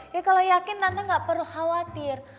ya kalau yakin tante ga perlu khawatir